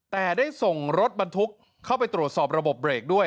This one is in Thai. แต่ได้ส่งรถบรรทุกเข้าไปตรวจสอบระบบเบรกด้วย